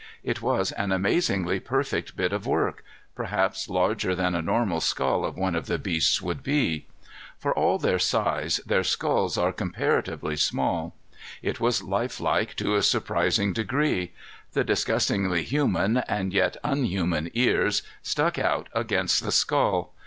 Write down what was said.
It was an amazingly perfect bit of work, perhaps larger than a normal skull of one of the beasts would be. For all their size, their skulls are comparatively small. It was lifelike to a surprising degree. The disgustingly human, and yet unhuman ears stuck out against the skull.